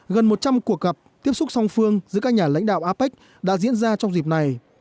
gần một trăm linh cuộc gặp tiếp xúc song phương giữa các nhà lãnh đạo apec đã diễn ra trong dịp này